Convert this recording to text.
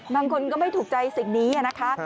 บางคนก็ไม่ถูกใจสิ่งนี้นะคะ